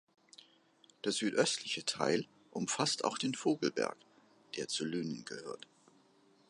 Der südöstliche Teil umfasst auch den Vogelberg, der zu Lünen gehört.